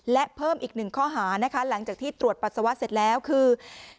และเพิ่มอีกหนึ่งข้อหานะคะหลังจากที่ตรวจปัสสาวะเสร็จแล้วคือ